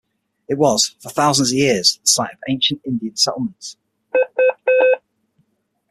It was, for thousands of years, the site of ancient Indian settlements.